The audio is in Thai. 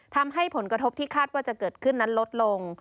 ทำให้ผลกระทบที่คาดว่าจะเกิดขึ้นนั้นลดลง